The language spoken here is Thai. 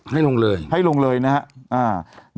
ให้ลงเลยนะฮะอ้าว